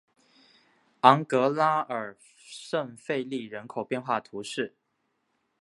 昂格拉尔圣费利人口变化图示